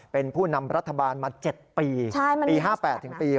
เป็นผู้นำรัฐบาลมา๗ปีปี๕๘ถึงปี๒๕